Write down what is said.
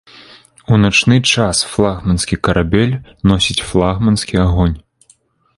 У начны час флагманскі карабель носіць флагманскі агонь.